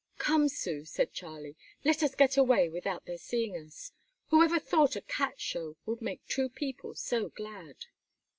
"Come, Sue," said Charlie, "let us get away without their seeing us. Who ever thought a cat show would make two people so glad!"